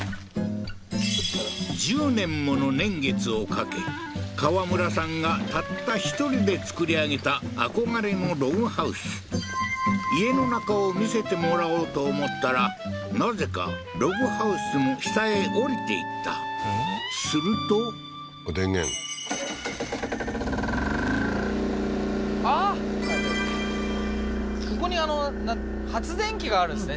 １０年もの年月を掛け河村さんがたった１人で作り上げた憧れのログハウス家の中を見せてもらおうと思ったらなぜかログハウスの下へ下りていったするとこれ電源あっはいはいここに発電機があるんですね